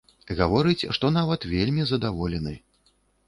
Гаворыць, што нават вельмі задаволены.